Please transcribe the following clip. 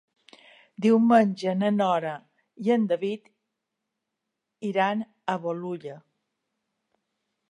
Diumenge na Nora i en David iran a Bolulla.